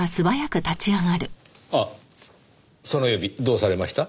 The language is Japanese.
あっその指どうされました？